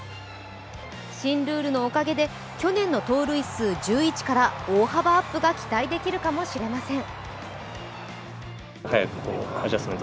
新ルールのおかげで去年の盗塁数１１から大幅アップが期待できるかもしれません。